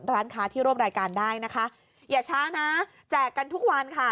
ร้านค้าที่ร่วมรายการได้นะคะอย่าช้านะแจกกันทุกวันค่ะ